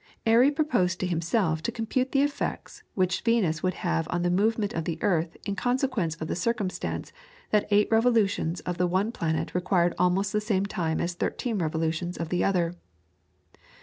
Airy proposed to himself to compute the effects which Venus would have on the movement of the earth in consequence of the circumstance that eight revolutions of the one planet required almost the same time as thirteen revolutions of the other.